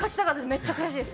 めっちゃ悔しい。